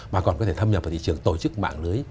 mà còn có thể thâm nhập vào thị trường tổ chức mạng lưới